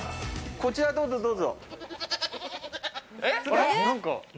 こちら、どうぞどうぞ。